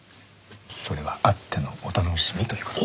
それは会ってのお楽しみという事で。